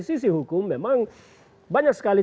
sisi hukum memang banyak sekali